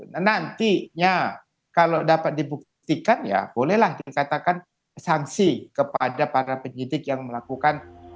nah nantinya kalau dapat dibuktikan ya bolehlah dikatakan sanksi kepada para penyidik yang melakukan